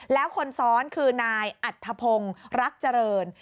แล้วคนซ้อนคือนายอัธพงศ์รักเจริญ